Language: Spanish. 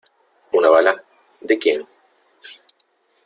¿ una bala , de quién ?